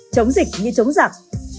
chống dịch như chống giặc